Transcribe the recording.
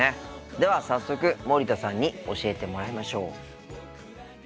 では早速森田さんに教えてもらいましょう。